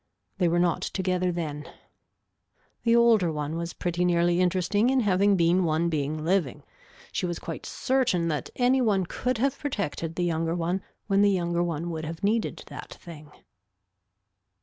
They were not together then. The older one was pretty nearly interesting in having been one being living. She was quite certain that any one could have protected the younger one when the younger one would have needed that thing.